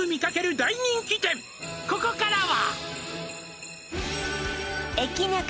「ここからは」